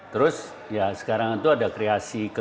terus sekarang itu ada kreasi ketua ketua